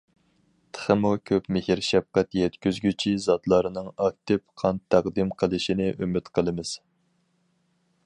تېخىمۇ كۆپ مېھرى شەپقەت يەتكۈزگۈچى زاتلارنىڭ ئاكتىپ قان تەقدىم قىلىشىنى ئۈمىد قىلىمىز.